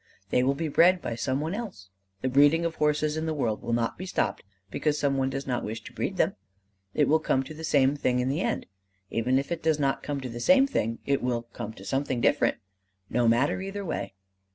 "They will be bred by some one else. The breeding of horses in the world will not be stopped because some one does not wish to breed them. It will come to the same thing in the end. Even if it does not come to the same thing, it will come to something different. No matter, either way."